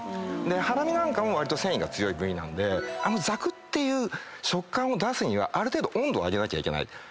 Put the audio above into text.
ハラミなんかも繊維が強い部位なんであのザクッていう食感を出すには温度を上げなきゃいけない。